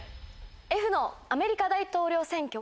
Ｆのアメリカ大統領選挙。